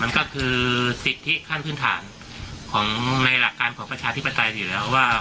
มันก็คือสิทธิขั้นพื้นฐานของในหลักการของประชาธิปไตยอยู่แล้วว่า